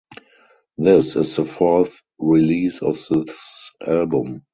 This is the fourth release of this album.